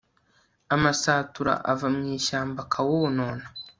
amasatura ava mu ishyamba akawonona